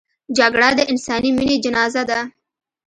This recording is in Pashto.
جګړه د انساني مینې جنازه ده